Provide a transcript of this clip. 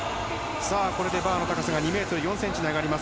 これでバーの高さが２ｍ４ｃｍに上がります。